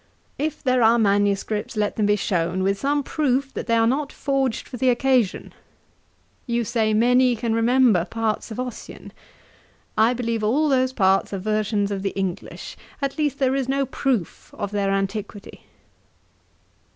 If there are manuscripts, let them be shewn, with some proof that they are not forged for the occasion. You say many can remember parts of Ossian. I believe all those parts are versions of the English; at least there is no proof of their antiquity.